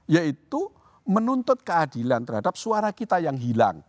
yaitu menuntut keadilan terhadap suara kita yang hilang